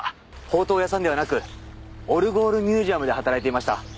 ほうとう屋さんではなくオルゴールミュージアムで働いていました。